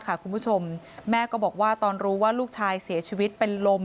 คุณผู้ชมแม่ก็บอกว่าตอนรู้ว่าลูกชายเสียชีวิตเป็นลม